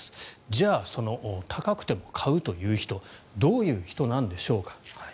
じゃあその高くても買うという人どういう人なんでしょうか。